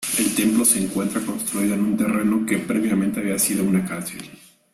El templo se encuentra construido en un terreno que previamente había sido una cárcel.